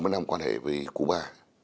sáu mươi năm quan hệ với cuba